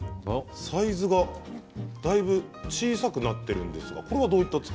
サイズがだいぶ小さくなっているんですよ。